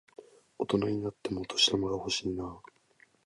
大人になってもお年玉欲しいなぁ。